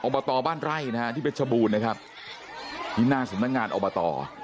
บตบ้านไร่นะฮะที่เพชรชบูรณ์นะครับที่หน้าสำนักงานอบต